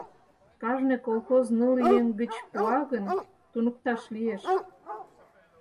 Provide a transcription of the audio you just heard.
Кажне колхоз ныл еҥ гыч пуа гын, туныкташ лиеш.